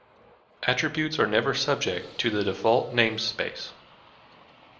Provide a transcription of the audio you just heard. Attributes are never subject to the default namespace.